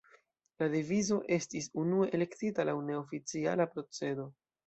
La devizo estis unue elektita laŭ neoficiala procedo.